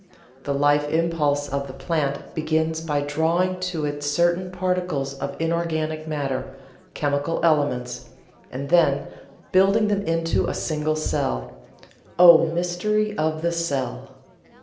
The life impulse of the plant begins by drawing to it certain particles of inorganic matter chemical elements and then building them into a single cell. Oh, mystery of the cell!